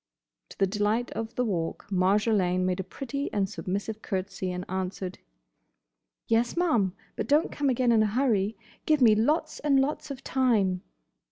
To the delight of the Walk Marjolaine made a pretty and submissive curtsey, and answered, "Yes, ma'am; but don't come again in a hurry. Give me lots and lots of time!"